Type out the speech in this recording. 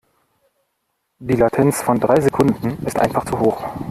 Die Latenz von drei Sekunden ist einfach zu hoch.